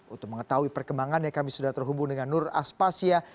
untuk mengetahui perkembangannya kami sudah terhubung dengan nur aspasya